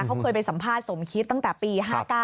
เขาเคยไปสัมภาษณ์สมคิดตั้งแต่ปี๕๙